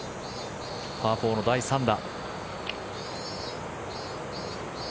パー４の第３打。